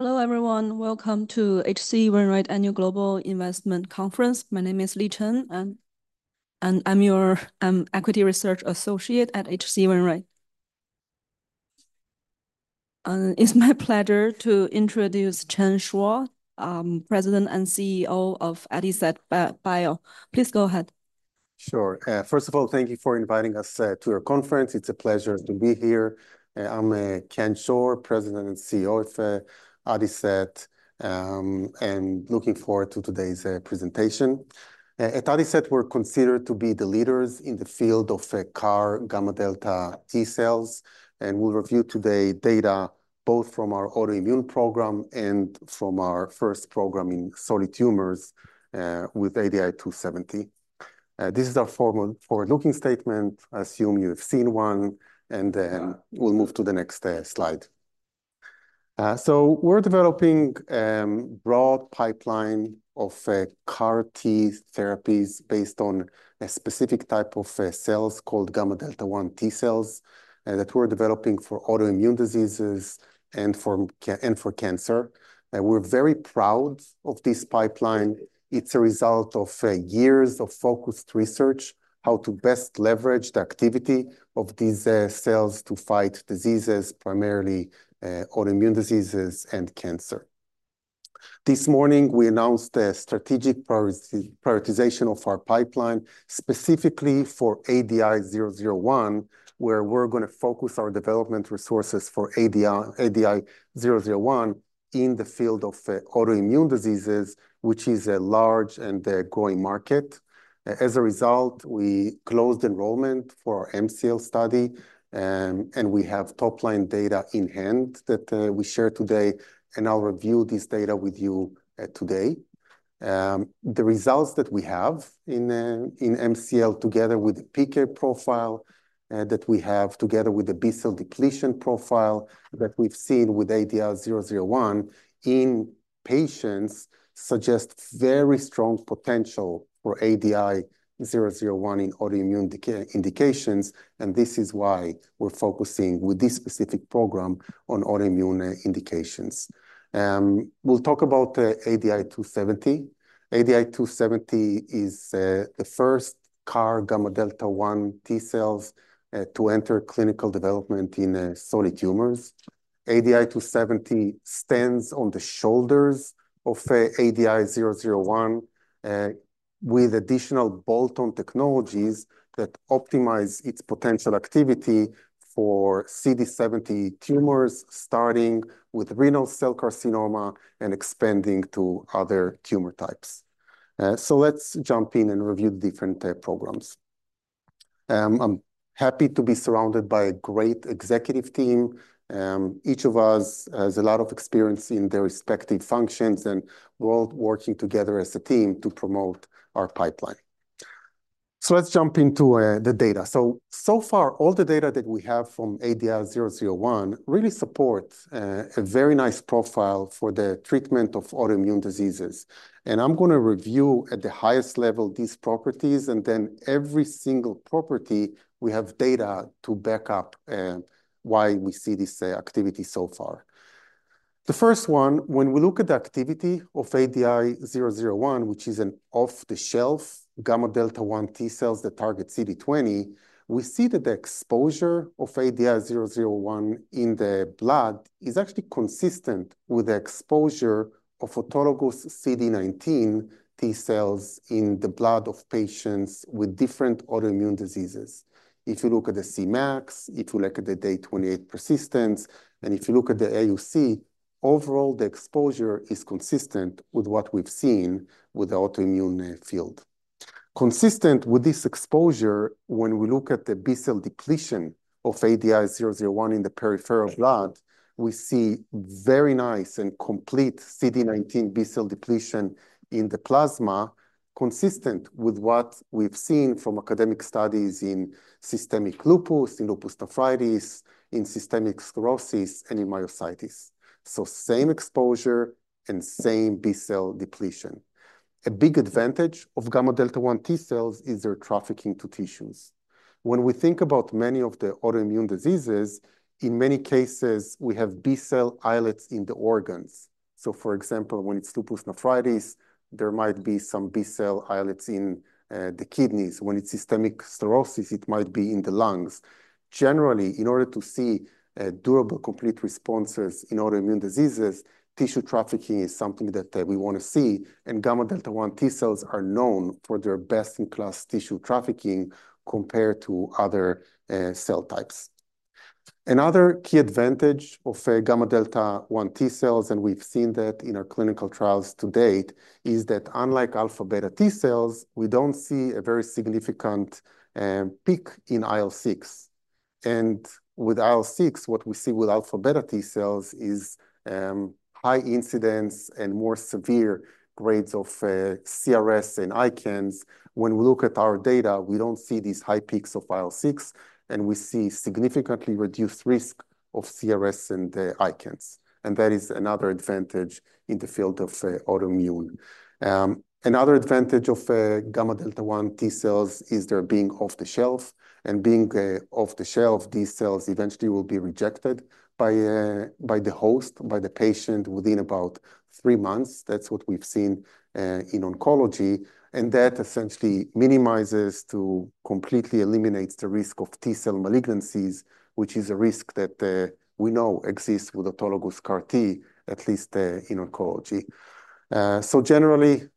Hello, everyone. Welcome to H.C. Wainwright Annual Global Investment Conference. My name is Li Chen, and I'm your equity research associate at H.C. Wainwright. It's my pleasure to introduce Chen Schor, President and CEO of Adicet Bio. Please go ahead. Sure. First of all, thank you for inviting us to your conference. It's a pleasure to be here. I'm Chen Schor, President and CEO of Adicet, and looking forward to today's presentation. At Adicet, we're considered to be the leaders in the field of CAR gamma delta T cells, and we'll review today data both from our autoimmune program and from our first program in solid tumors with ADI-270. This is our forward-looking statement. I assume you've seen one, and then we'll move to the next slide. So we're developing broad pipeline of CAR-T therapies based on a specific type of cells called gamma delta 1 T cells that we're developing for autoimmune diseases and for cancer. We're very proud of this pipeline. It's a result of years of focused research, how to best leverage the activity of these cells to fight diseases, primarily autoimmune diseases and cancer. This morning, we announced a strategic prioritization of our pipeline, specifically for ADI-001, where we're gonna focus our development resources for ADI-001 in the field of autoimmune diseases, which is a large and a growing market. As a result, we closed enrollment for our MCL study, and we have top-line data in hand that we share today, and I'll review this data with you today. The results that we have in MCL, together with the PK profile that we have, together with the B-cell depletion profile that we've seen with ADI-001 in patients, suggest very strong potential for ADI-001 in autoimmune indications, and this is why we're focusing with this specific program on autoimmune indications. We'll talk about ADI-270. ADI-270 is the first CAR gamma delta 1 T cells to enter clinical development in solid tumors. ADI-270 stands on the shoulders of ADI-001 with additional bolt-on technologies that optimize its potential activity for CD70 tumors, starting with renal cell carcinoma and expanding to other tumor types. Let's jump in and review the different programs. I'm happy to be surrounded by a great executive team. Each of us has a lot of experience in their respective functions, and we're all working together as a team to promote our pipeline. Let's jump into the data. So far, all the data that we have from ADI-001 really supports a very nice profile for the treatment of autoimmune diseases, and I'm gonna review at the highest level these properties, and then every single property, we have data to back up why we see this activity so far. The first one, when we look at the activity of ADI-001, which is an off-the-shelf gamma delta 1 T cells that target CD20, we see that the exposure of ADI-001 in the blood is actually consistent with the exposure of autologous CD19 T cells in the blood of patients with different autoimmune diseases. If you look at the Cmax, if you look at the day 28 persistence, and if you look at the AUC, overall, the exposure is consistent with what we've seen with the autoimmune field. Consistent with this exposure, when we look at the B-cell depletion of ADI-001 in the peripheral blood, we see very nice and complete CD19 B-cell depletion in the plasma, consistent with what we've seen from academic studies in systemic lupus, in lupus nephritis, in systemic sclerosis, and in myositis, so same exposure and same B-cell depletion. A big advantage of gamma delta 1 T cells is their trafficking to tissues. When we think about many of the autoimmune diseases, in many cases, we have B-cell islets in the organs. So, for example, when it's lupus nephritis, there might be some B-cell islets in the kidneys. When it's systemic sclerosis, it might be in the lungs. Generally, in order to see durable complete responses in autoimmune diseases, tissue trafficking is something that we wanna see, and gamma delta 1 T cells are known for their best-in-class tissue trafficking compared to other cell types. Another key advantage of gamma delta 1 T cells, and we've seen that in our clinical trials to date, is that, unlike alpha beta T cells, we don't see a very significant peak in IL-6, and with IL-6, what we see with alpha beta T cells is high incidence and more severe grades of CRS and ICANS. When we look at our data, we don't see these high peaks of IL-6, and we see significantly reduced risk of CRS and the ICANS, and that is another advantage in the field of autoimmune. Another advantage of gamma delta 1 T-cells is their being off the shelf, and being off the shelf, these cells eventually will be rejected by the host, by the patient, within about three months. That's what we've seen in oncology, and that essentially minimizes to completely eliminates the risk of T-cell malignancies, which is a risk that we know exists with autologous CAR-T, at least in oncology. So generally,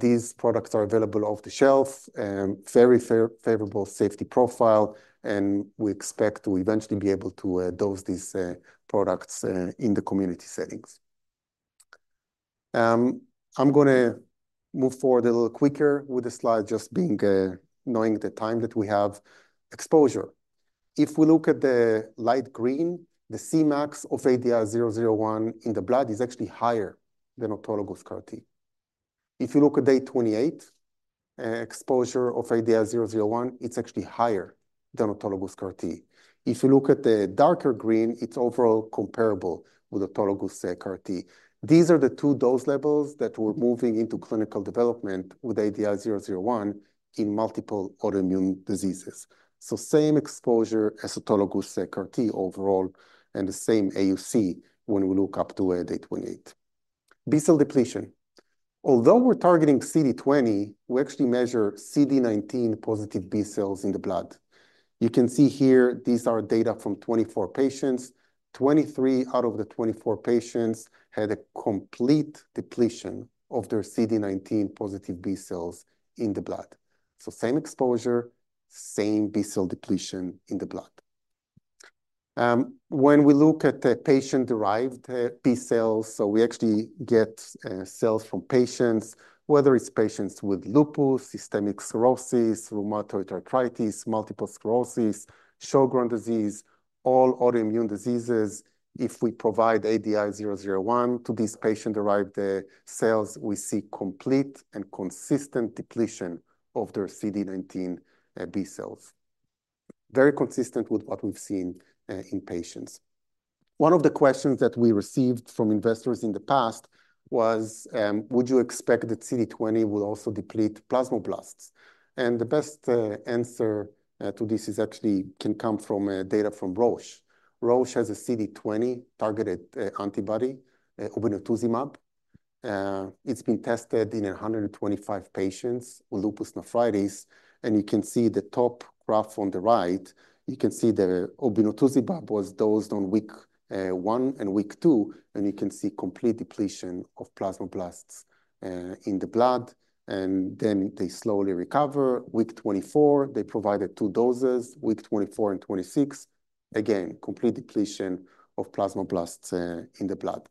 these products are available off the shelf, very favorable safety profile, and we expect to eventually be able to dose these products in the community settings. I'm gonna move forward a little quicker with the slide, just knowing the time that we have. Exposure. If we look at the light green, the Cmax of ADI-001 in the blood is actually higher than autologous CAR-T. If you look at day 28, exposure of ADI-001, it's actually higher than autologous CAR-T. If you look at the darker green, it's overall comparable with autologous CAR-T. These are the two dose levels that we're moving into clinical development with ADI-001 in multiple autoimmune diseases. So same exposure as autologous CAR-T overall, and the same AUC when we look up to day 28. B-cell depletion. Although we're targeting CD20, we actually measure CD19 positive B cells in the blood. You can see here, these are data from 24 patients. Twenty-three out of the 24 patients had a complete depletion of their CD19 positive B-cells in the blood. So same exposure, same B-cell depletion in the blood. When we look at the patien--derived B cells, so we actually get cells from patients, whether it's patients with lupus, systemic sclerosis, rheumatoid arthritis, multiple sclerosis, Sjögren's disease, all autoimmune diseases. If we provide ADI-001 to these patient-derived cells, we see complete and consistent depletion of their CD19 B cells. Very consistent with what we've seen in patients. One of the questions that we received from investors in the past was: "Would you expect that CD20 will also deplete plasmablasts?" And the best answer to this is actually can come from data from Roche. Roche has a CD20-targeted antibody, obinutuzumab. It's been tested in 125 patients with lupus nephritis, and you can see the top graph on the right, you can see the obinutuzumab was dosed on week one and week two, and you can see complete depletion of plasmablasts in the blood, and then they slowly recover. Week 24, they provided two doses, week 24 and 26. Again, complete depletion of plasmablasts in the blood.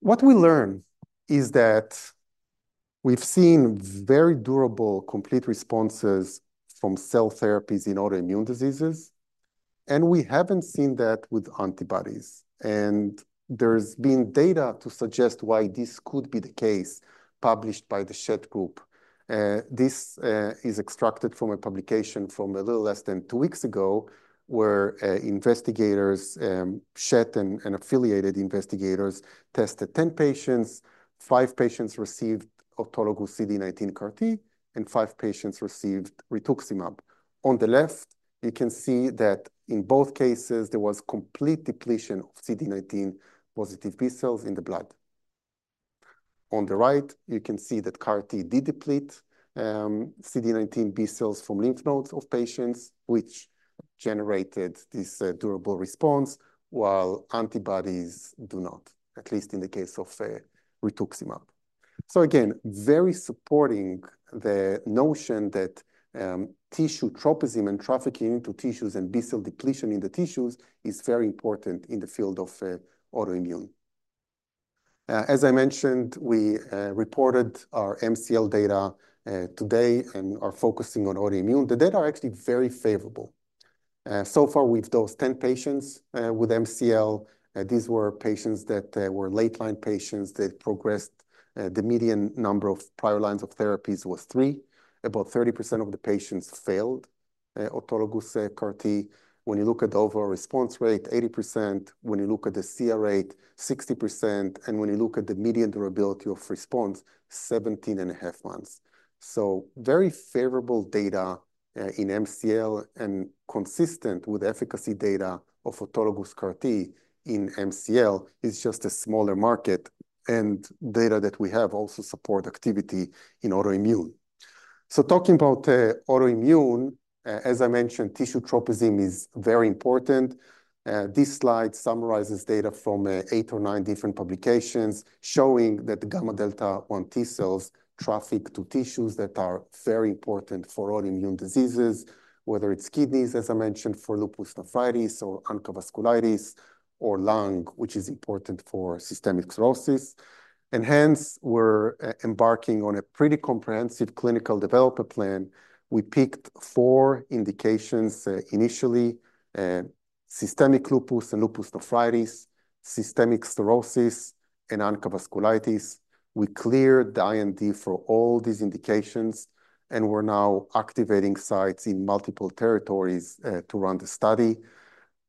What we learn is that we've seen very durable, complete responses from cell therapies in autoimmune diseases, and we haven't seen that with antibodies. There's been data to suggest why this could be the case, published by the Schett Group. This is extracted from a publication from a little less than two weeks ago, where investigators Schett and affiliated investigators tested 10 patients. Five patients received autologous CD19 CAR-T, and five patients received rituximab. On the left, you can see that in both cases, there was complete depletion of CD19 positive B cells in the blood. On the right, you can see that CAR-T did deplete, CD19 B-cells from lymph nodes of patients, which generated this, durable response, while antibodies do not, at least in the case of, rituximab. So again, very supporting the notion that, tissue tropism and trafficking into tissues and B-cell depletion in the tissues is very important in the field of, autoimmune. As I mentioned, we, reported our MCL data, today and are focusing on autoimmune. The data are actually very favorable. So far, we've dosed 10 patients, with MCL. These were patients that, were late-line patients. They've progressed,... The median number of prior lines of therapies was three. About 30% of the patients failed autologous CAR-T. When you look at the overall response rate, 80%. When you look at the CR rate, 60%. And when you look at the median durability of response, seventeen and a half months. So very favorable data in MCL and consistent with efficacy data of autologous CAR-T in MCL. It's just a smaller market, and data that we have also support activity in autoimmune. So talking about autoimmune, as I mentioned, tissue tropism is very important. This slide summarizes data from eight or nine different publications, showing that the gamma delta 1 T cells traffic to tissues that are very important for autoimmune diseases, whether it's kidneys, as I mentioned, for lupus nephritis or ANCA vasculitis, or lung, which is important for systemic sclerosis. And hence, we're embarking on a pretty comprehensive clinical development plan. We picked four indications initially, systemic lupus and lupus nephritis, systemic sclerosis, and ANCA vasculitis. We cleared the IND for all these indications, and we're now activating sites in multiple territories to run the study.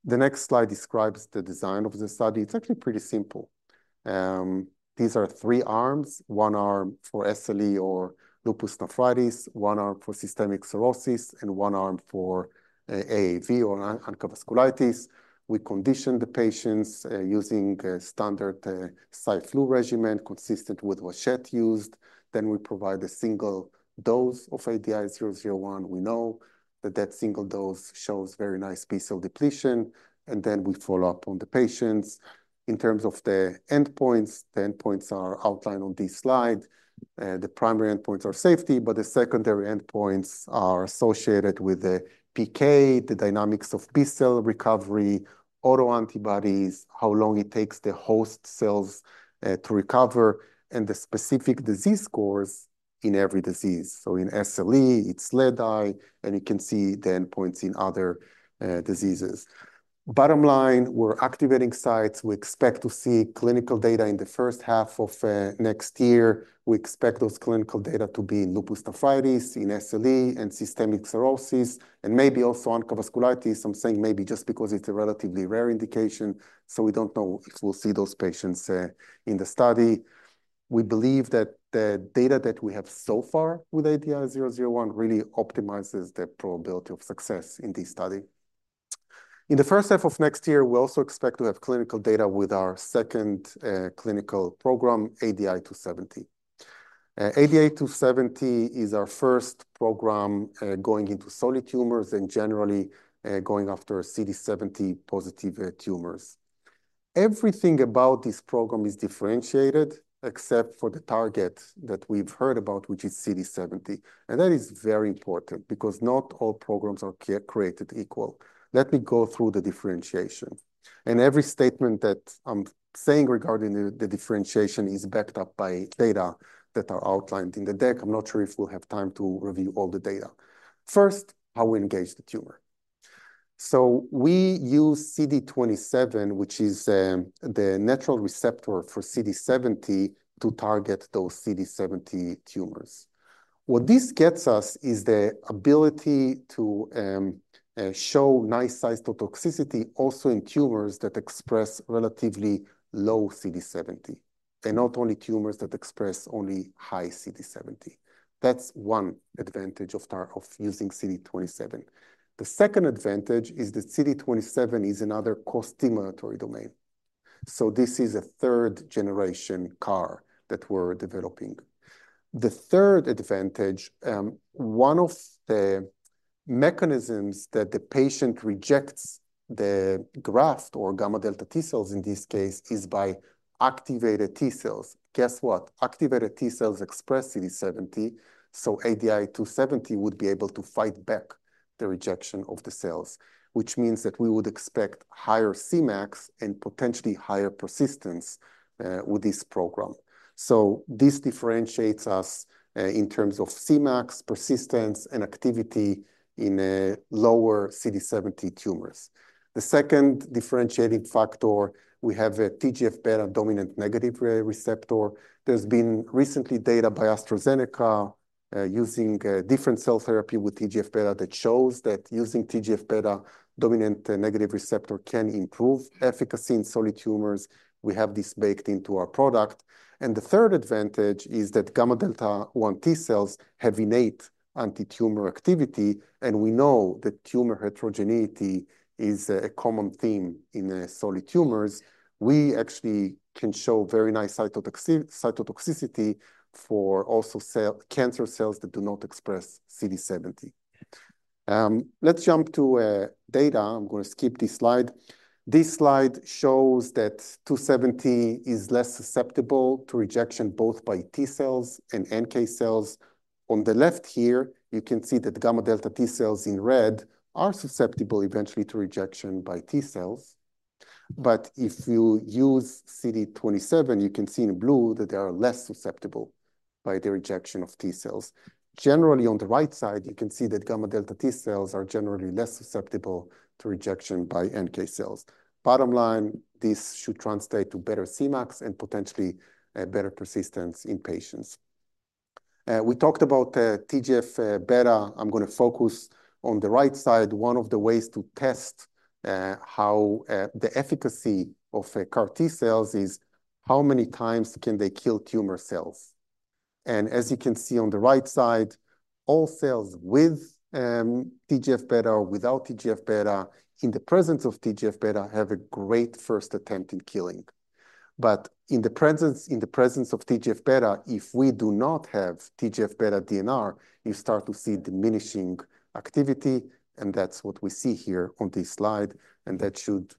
The next slide describes the design of the study. It's actually pretty simple. These are three arms: one arm for SLE or lupus nephritis, one arm for systemic sclerosis, and one arm for AAV or ANCA vasculitis. We condition the patients using a standard CyFlu regimen consistent with what Schett used. Then we provide a single dose of ADI-001. We know that that single dose shows very nice B-cell depletion, and then we follow up on the patients. In terms of the endpoints, the endpoints are outlined on this slide. The primary endpoints are safety, but the secondary endpoints are associated with the PK, the dynamics of B-cell recovery, autoantibodies, how long it takes the host cells to recover, and the specific disease scores in every disease. So in SLE, it's SLEDAI, and you can see the endpoints in other diseases. Bottom line, we're activating sites. We expect to see clinical data in the H1 of next year. We expect those clinical data to be in lupus nephritis, in SLE, and systemic sclerosis, and maybe also ANCA vasculitis. I'm saying maybe just because it's a relatively rare indication, so we don't know if we'll see those patients in the study. We believe that the data that we have so far with ADI-001 really optimizes the probability of success in this study. In the H1 of next year, we also expect to have clinical data with our second clinical program, ADI-270. ADI-270 is our first program going into solid tumors and generally going after CD70-positive tumors. Everything about this program is differentiated, except for the target that we've heard about, which is CD70, and that is very important because not all programs are created equal. Let me go through the differentiation, and every statement that I'm saying regarding the differentiation is backed up by data that are outlined in the deck. I'm not sure if we'll have time to review all the data. First, how we engage the tumor. So we use CD27, which is the natural receptor for CD70, to target those CD70 tumors. What this gets us is the ability to show nice cytotoxicity also in tumors that express relatively low CD70, and not only tumors that express only high CD70. That's one advantage of using CD27. The second advantage is that CD27 is another costimulatory domain, so this is a third-generation CAR that we're developing. The third advantage, one of the mechanisms that the patient rejects the graft or gamma delta T-cells in this case, is by activated T-cells. Guess what? Activated T cells express CD70, so ADI-270 would be able to fight back the rejection of the cells, which means that we would expect higher Cmax and potentially higher persistence with this program. So this differentiates us in terms of Cmax, persistence, and activity in lower CD70 tumors. The second differentiating factor, we have a TGF-beta dominant negative receptor. There's been recently data by AstraZeneca using different cell therapy with TGF-beta that shows that using TGF-beta dominant negative receptor can improve efficacy in solid tumors. We have this baked into our product. And the third advantage is that gamma delta 1 T cells have innate antitumor activity, and we know that tumor heterogeneity is a common theme in solid tumors. We actually can show very nice cytotoxicity for also cancer cells that do not express CD70. Let's jump to data. I'm gonna skip this slide. This slide shows that 270 is less susceptible to rejection, both by T-cells and NK cells. On the left here, you can see that the gamma delta T-cells in red are susceptible eventually to rejection by T cells. But if you use CD27, you can see in blue that they are less susceptible by the rejection of T cells. Generally, on the right side, you can see that gamma delta T cells are generally less susceptible to rejection by NK cells. Bottom line, this should translate to better Cmax and potentially, better persistence in patients. We talked about, TGF-beta. I'm gonna focus on the right side. One of the ways to test, how, the efficacy of a CAR T cells is how many times can they kill tumor cells? And as you can see on the right side, all cells with, TGF-beta, without TGF-beta, in the presence of TGF-beta, have a great first attempt in killing. But in the presence of TGF-beta, if we do not have TGF-beta DNR, you start to see diminishing activity, and that's what we see here on this slide, and that should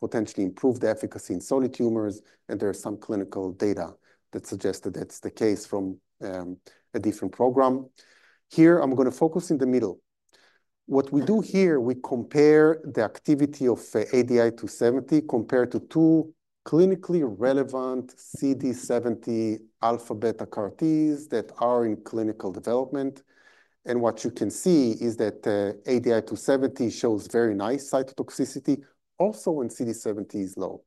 potentially improve the efficacy in solid tumors. There are some clinical data that suggest that that's the case from a different program. Here, I'm gonna focus in the middle. What we do here, we compare the activity of ADI-270 compared to two clinically relevant CD70 alpha/beta CAR Ts that are in clinical development. What you can see is that ADI-270 shows very nice cytotoxicity, also when CD70 is low,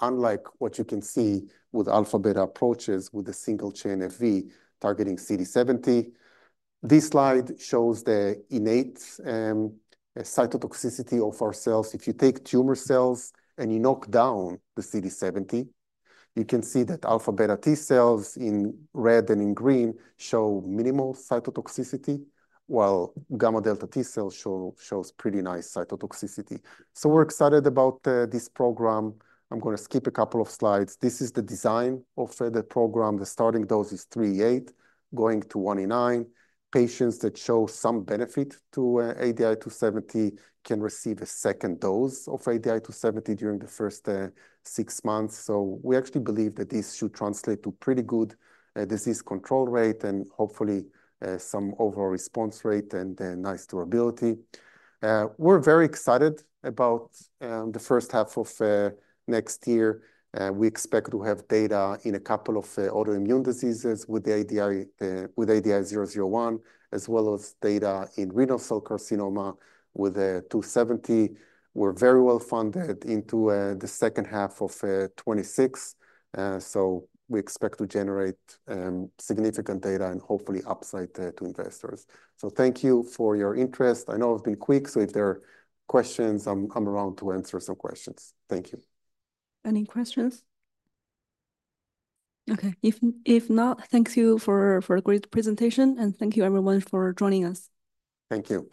unlike what you can see with alpha/beta approaches with a single-chain Fv targeting CD70. This slide shows the innate cytotoxicity of our cells. If you take tumor cells, and you knock down the CD70, you can see that alpha/beta T cells in red and in green show minimal cytotoxicity, while gamma delta T-cells show pretty nice cytotoxicity. So we're excited about this program. I'm gonna skip a couple of slides. This is the design of the program. The starting dose is 3E8, going to 1E8. Patients that show some benefit to ADI-270 can receive a second dose of ADI-270 during the first six months. So we actually believe that this should translate to pretty good disease control rate, and hopefully some overall response rate and nice durability. We're very excited about the H1 of next year. We expect to have data in a couple of autoimmune diseases with the ADI, with ADI-001, as well as data in renal cell carcinoma with ADI-270. We're very well-funded into the H2 of 2026, so we expect to generate significant data and hopefully upside to investors. So thank you for your interest. I know I've been quick, so if there are questions, I'll come around to answer some questions. Thank you. Any questions? Okay. If not, thank you for a great presentation, and thank you everyone for joining us. Thank you.